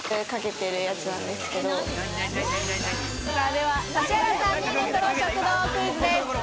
では指原さんにレトロ食堂クイズです。